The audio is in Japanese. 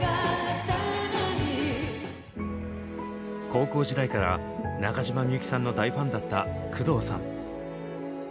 高校時代から中島みゆきさんの大ファンだった工藤さん。